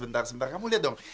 bajunya sebentar kamu liat dong